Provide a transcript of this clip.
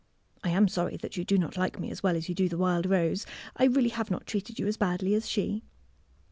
I am sorry that you do not like me as well as you do the wild rose. I really have not treated you as badly as she.''